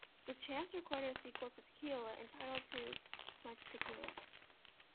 The Champs recorded a sequel to "Tequila" entitled "Too Much Tequila".